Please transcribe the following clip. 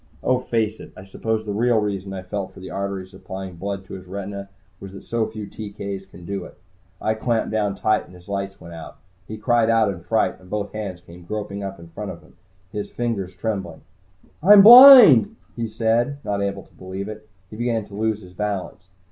Oh, face it, I suppose the real reason I felt for the arteries supplying blood to his retinas was that so few TK's can do it. I clamped down tight, and his lights went out. He cried out in fright, and both hands came groping up in front of him, his fingers trembling. "I'm blind!" he said, not able to believe it. He began to lose his balance.